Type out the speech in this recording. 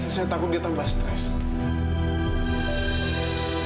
saya takut dia tambah stres